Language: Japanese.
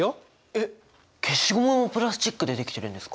えっ消しゴムもプラスチックでできてるんですか？